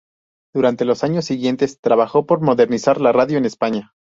Durante los años siguientes trabajó por modernizar la radio en España.